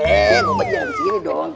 eh ngumpet jangan disini dong